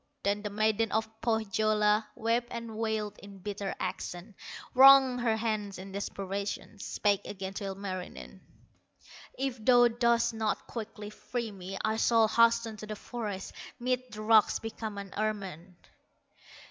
Then the maiden of Pohyola Wept and wailed in bitter accents, Wrung her hands in desperation, Spake again to Ilmarinen; "If thou dost not quickly free me, I shall hasten to the forest, Mid the rocks become an ermine!"